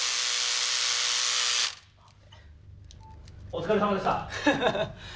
お疲れさまでした。